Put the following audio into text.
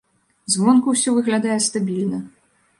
Звонку ўсё выглядае стабільна.